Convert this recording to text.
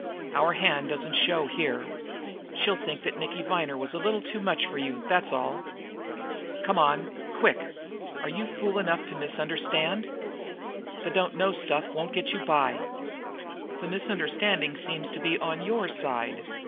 Our hand doesn't show here. She'll think that Nicky Viner was a little too much for you, that's all. Come on, now quick! Are you fool enough to misunderstand? The 'don't know' stuff won't get you by!" "The misunderstanding seems to be on your side."